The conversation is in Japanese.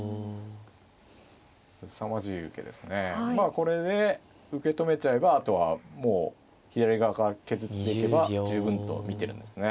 これで受け止めちゃえばあとはもう左側から削っていけば十分と見てるんですね。